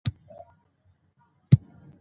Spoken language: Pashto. نو شايد د دوی پلازمېنه په کندوز کې وه